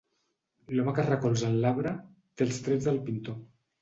L'home que es recolza en l'arbre té els trets del pintor.